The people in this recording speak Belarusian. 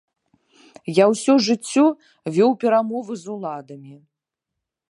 Я ўсё жыццё вёў перамовы з уладамі!